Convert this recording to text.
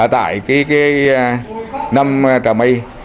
tại nam trà my